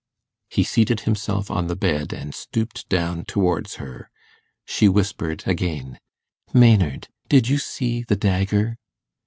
He seated himself on the bed, and stooped down towards her. She whispered again 'Maynard, did you see the dagger?